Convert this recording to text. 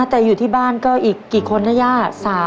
แต่อยู่ที่บ้านก็อีกกี่คนนะย่า